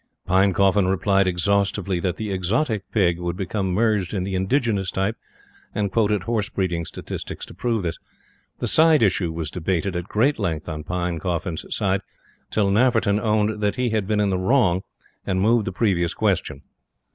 Pinecoffin replied exhaustively that the exotic Pig would become merged in the indigenous type; and quoted horse breeding statistics to prove this. The side issue was debated, at great length on Pinecoffin's side, till Nafferton owned that he had been in the wrong, and moved the previous question.